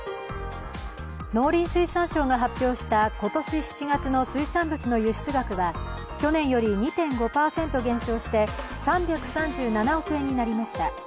農林水産省が発表した今年７月の農産物の輸出額は去年より２．５％減少して３３７億円になりました。